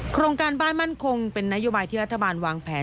โครงการบ้านมั่นคงเป็นนโยบายที่รัฐบาลวางแผน